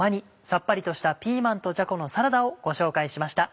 さっぱりとした「ピーマンとじゃこのサラダ」をご紹介しました。